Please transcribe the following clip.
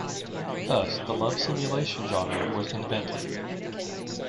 Thus, the love simulation genre was invented.